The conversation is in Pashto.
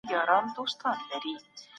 ښار ته ولاړ سئ.